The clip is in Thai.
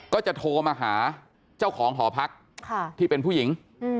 ก็จะโทรมาหาเจ้าของหอพักที่เป็นผู้หญิง